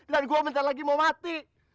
dan gue bentar lagi mau mati